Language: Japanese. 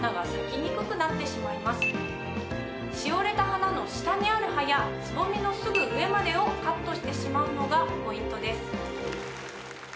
花の下にある葉やつぼみのすぐ上までをカットしてしまうのがポイントです。